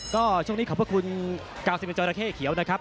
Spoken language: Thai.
ก็ช่วงนี้ขอบพระคุณกาวซิเมนจอราเข้เขียวนะครับ